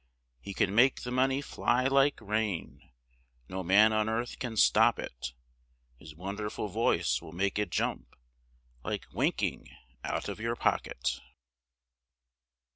He can make the money fly like rain, No man on earth can stop it, His wonderful voice will make it jump Like winking out of your pocket.